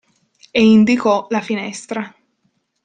E indicò la finestra.